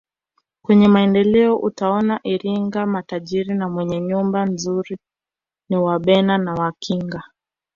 Kwenye Maendeleo utaona Iringa matajiri na wenye nyumba nzuri ni wabena na wakinga